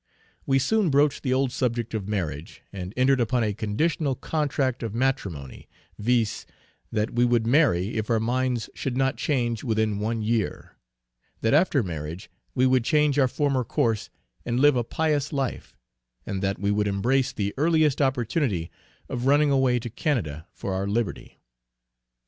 We soon broached the old subject of marriage, and entered upon a conditional contract of matrimony, viz: that we would marry if our minds should not change within one year; that after marriage we would change our former course and live a pious life; and that we would embrace the earliest opportunity of running away to Canada for our liberty.